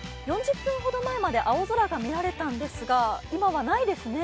４０分ほど前まで青空が見られたんですが、今はないですね。